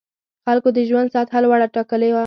خلکو د ژوند سطح لوړه ټاکلې وه.